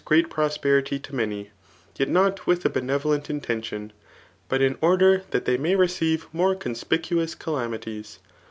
187 great prosperity to many, yet not with a benerolent ii^ tention, but in order that they may receive more conspi* cuous calamities."